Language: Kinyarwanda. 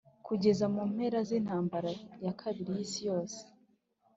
kugeza mu mpera zintambara ya kabiri yisi yose